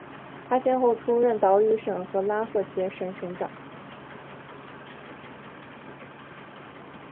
他先后出任岛屿省和拉赫杰省省长。